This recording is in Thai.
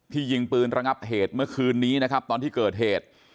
ยิงปืนระงับเหตุเมื่อคืนนี้นะครับตอนที่เกิดเหตุ